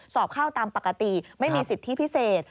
สอบเข้าตามปกติไม่มีสิทธิพิเศษ